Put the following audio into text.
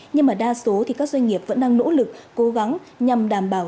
nhưng mà đa số thì các doanh nghiệp vẫn đang nỗ lực cố gắng nhằm đảm bảo